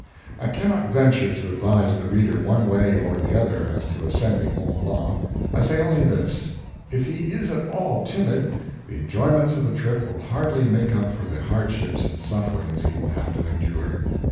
I cannot venture to advise the reader one way or the other, as to ascending Mont Blanc. I say only this: if he is at all timid, the enjoyments of the trip will hardly make up for the hardships and sufferings he will have to endure.